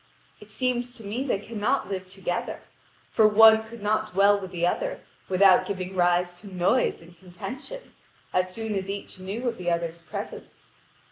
It seems to me they cannot live together; for one could not dwell with the other, without giving rise to noise and contention, as soon as each knew of the other's presence.